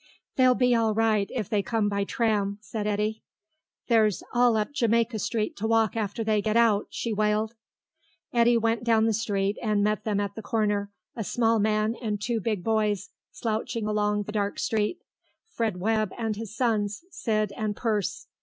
"They'll be all right if they come by tram," said Eddy. "There's all up Jamaica Street to walk after they get out," she wailed. Eddy went down the street and met them at the corner, a small man and two big boys, slouching along the dark street, Fred Webb and his sons, Sid and Perce.